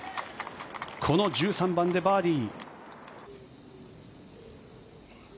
この１３番でバーディー。